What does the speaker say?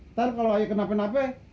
ntar kalau ayo kenapain apai